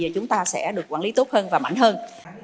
chúng ta sẽ được quản lý tốt hơn và mạnh hơn